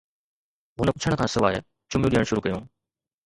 هُن پڇڻ کان سواءِ چميون ڏيڻ شروع ڪيون